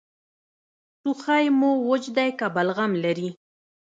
ټوخی مو وچ دی که بلغم لري؟